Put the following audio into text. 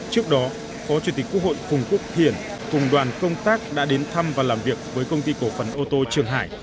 trước đó phó chủ tịch quốc hội phùng quốc hiển cùng đoàn công tác đã đến thăm và làm việc với công ty cổ phần ô tô trường hải